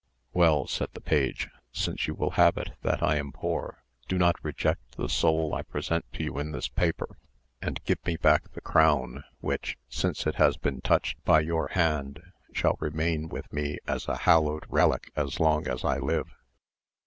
"Well," said the page, "since you will have it that I am poor, do not reject the soul I present to you in this paper, and give me back the crown, which, since it has been touched by your hand, shall remain with me as a hallowed relic as long as I live."